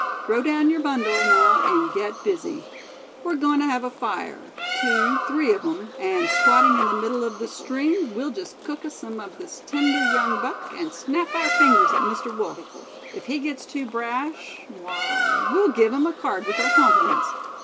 Throw down your bundle, now, and get busy. We're going to have a fire, two, three of 'em; and squatting in the middle of the string, we'll just cook us some of this tender young buck, and snap our fingers at Mr. Wolf. If he gets too brash, why, we'll give him a card with our compliments.